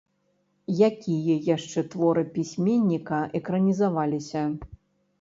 Якія яшчэ творы пісьменніка экранізаваліся.